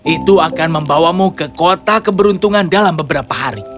itu akan membawamu ke kota keberuntungan dalam beberapa hari